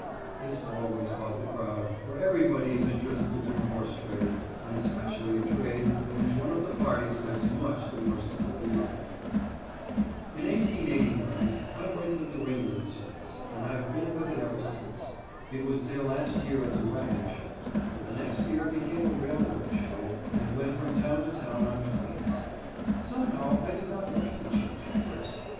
This always caught the crowd, for everybody is interested in a horse trade, and especially a trade in which one of the parties gets much the worst of the deal. [Illustration: "TO BE A SUCCESSFUL CLOWN YOU HAD ALSO TO BE A GOOD PANTOMIMIST."] In 1889 I went with the Ringling circus, and I have been with it ever since. It was their last year as a wagon show, for the next year it became a railroad show, and went from town to town on trains. Somehow I did not like the change at first.